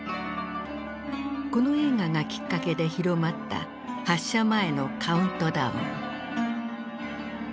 この映画がきっかけで広まった発射前のカウントダウン。